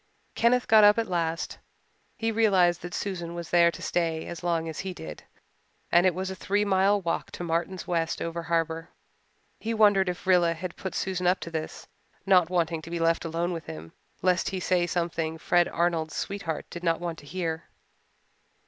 Kenneth got up at last. He realized that Susan was there to stay as long as he did, and it was a three mile walk to Martin West's over harbour. He wondered if Rilla had put Susan up to this, not wanting to be left alone with him, lest he say something Fred Arnold's sweetheart did not want to hear.